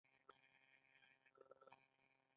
موټر د انسان ښه وسایل دی.